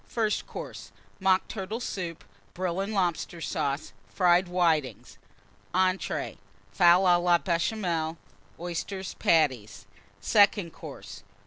FIRST COURSE. Mock Turtle Soup. Brill and Lobster Sauce. Fried Whitings. ENTREES. Fowl à la Béchamel. Oyster Patties. SECOND COURSE.